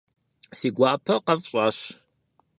Си гуапэ къэфщӀащ.